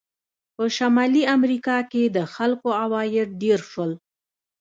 په شمالي امریکا کې د خلکو عواید ډېر شول.